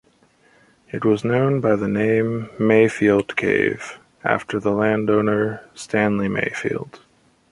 It was known by the name Mayfield Cave, after the landowner, Stanley Mayfield.